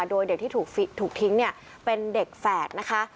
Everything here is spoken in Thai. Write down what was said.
โดยเด็กที่ถูกทิ้งเนี่ยเป็นเด็กแฝดนะคะ